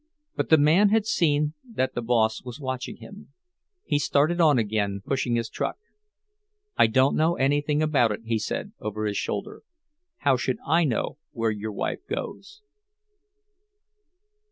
But the man had seen that the boss was watching him; he started on again, pushing his truck. "I don't know anything about it," he said, over his shoulder. "How should I know where your wife goes?"